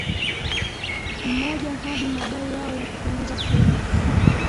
mmoja hadi madai yao ya kupunguza kodi